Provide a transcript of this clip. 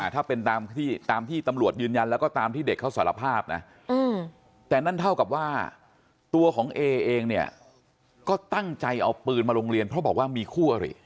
ถ้าเป็นตามที่ตำรวจยืนยันแล้วก็ตามที่เด็กเขาสารภาพนะแต่นั่นเท่ากับว่าตัวของเอเองเนี่ยก็ตั้งใจเอาปืนมาโรงเรียนเพราะบอกว่ามีคู่อริ